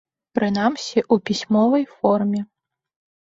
Прынамсі, у пісьмовай форме.